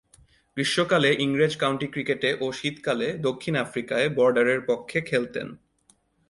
গ্রীষ্মকালে ইংরেজ কাউন্টি ক্রিকেটে ও শীতকালে দক্ষিণ আফ্রিকায় বর্ডারের পক্ষে খেলতেন।